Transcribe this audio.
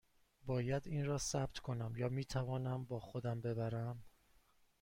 باید این را ثبت کنم یا می توانم با خودم ببرم؟